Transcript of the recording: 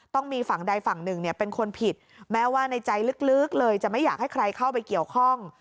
ต้องมีฝั่งใดฝั่งหนึ่งเป็นคนผิดแม้ว่าในใจลึกเลยจะไม่อยากให้ใครเข้าไปเกี่ยวข้อง